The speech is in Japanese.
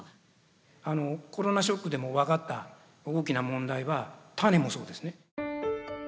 コロナショックでも分かった大きな問題は種もそうですね。